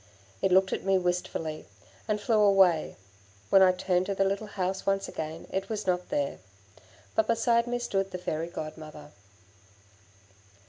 It looked at me wistfully, and flew away; when I turned to the little house once again, it was not there. But beside me stood the Fairy Godmother.